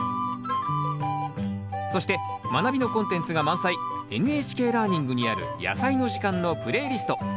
そして「まなび」のコンテンツが満載「ＮＨＫラーニング」にある「やさいの時間」のプレイリスト。